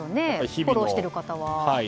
フォローしている方は。